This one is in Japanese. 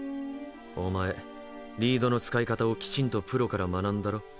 お前リードの使い方をきちんとプロから学んだろ？